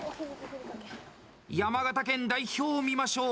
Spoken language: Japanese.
山形県代表を見ましょう。